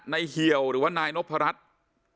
เหี่ยวหรือว่านายนพรัช